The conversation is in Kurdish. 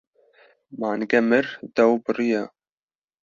Mange mir dew biriya.